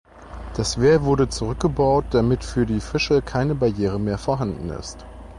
Das Wehr wurde zurückgebaut damit für die Fische keine Barriere mehr vorhanden ist.